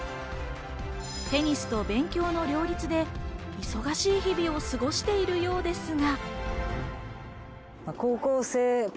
テニスと勉強の両立で忙しい日々を過ごしているようですが。